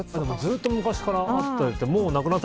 ずっと昔からあって。